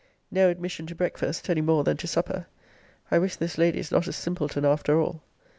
No admission to breakfast, any more than to supper. I wish this lady is not a simpleton, after all.